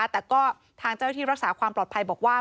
แต่ก็ทางเจ้าที่รักษาความปลอดภัยบอกว่า